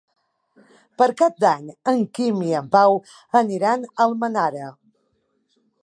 Per Cap d'Any en Quim i en Pau aniran a Almenara.